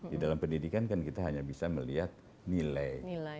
di dalam pendidikan kan kita hanya bisa melihat nilai nilai